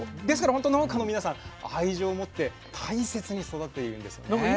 ですからほんと農家の皆さん愛情を持って大切に育てているんですよね。